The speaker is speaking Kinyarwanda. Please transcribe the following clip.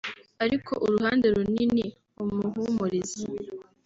ariko uruhande runini umuhumuriza